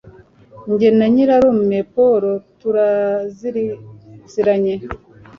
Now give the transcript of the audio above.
Jye na nyirarume Paul turaziranye